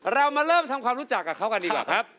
เรามาเริ่มทำความรู้จักกับเขากันดีกว่าครับ